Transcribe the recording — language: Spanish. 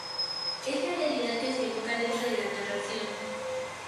Es la realidad que se evoca dentro de la narración.